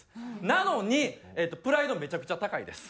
なのにプライドめちゃくちゃ高いです。